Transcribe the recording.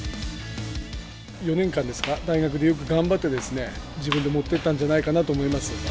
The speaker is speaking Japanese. ４年間ですか、大学でよく頑張って、自分で持っていったんじゃないかなと思います。